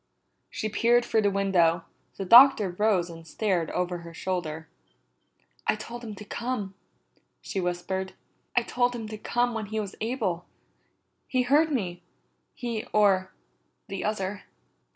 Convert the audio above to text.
She peered through the window; the Doctor rose and stared over her shoulder. "I told him to come," she whispered. "I told him to come when he was able. He heard me, he or the other."